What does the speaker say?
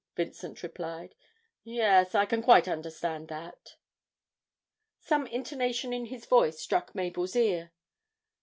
Vincent replied. 'Yes, I can quite understand that.' Some intonation in his voice struck Mabel's ear.